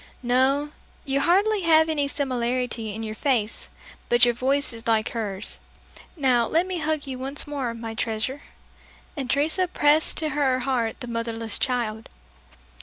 "No, you hardly have any similiarity in your face, but your voice is like hers. Now, let me hug you once more, my treasure." And Teresa pressed to her heart the motherless child.